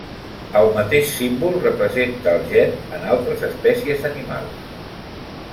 El mateix símbol representa el gen en altres espècies animals.